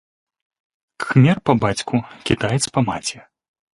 Кхмер па бацьку, кітаец па маці.